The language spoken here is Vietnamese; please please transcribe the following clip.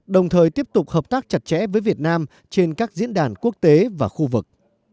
đồng thời tiếp tục hợp tác chặt chẽ với việt nam trên các diễn đàn quốc tế và khu vực